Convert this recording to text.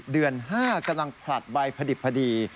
เดือน๕กำลังผลัดใบผลิตพอดี